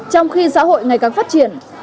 trong khi xã hội ngày càng phát triển